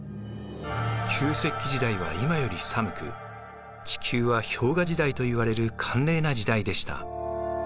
旧石器時代は今より寒く地球は氷河時代といわれる寒冷な時代でした。